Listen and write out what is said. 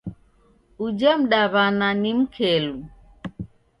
Uja mdaw'ana ni mkelu!